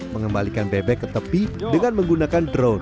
mengembalikan bebek ke tepi dengan menggunakan drone